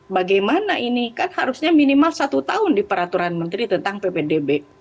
bagaimana ini kan harusnya minimal satu tahun di peraturan menteri tentang ppdb